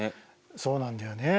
そうなんだよね。